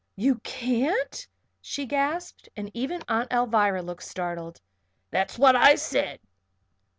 "You can't?" she gasped, and even Aunt Alvirah looked startled. "That's what I said."